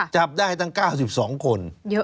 จับได้ตั้ง๙๒คน